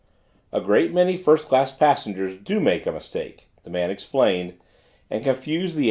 "A great many first class passengers do make a mistake," the man explained, "and confuse the 8.